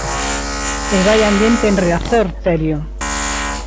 E vaia ambiente en Riazor, Terio.